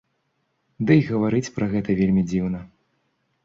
Ды і гаварыць пра гэта вельмі дзіўна.